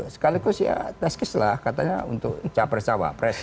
sekaligus ya teskis lah katanya untuk capresawa pres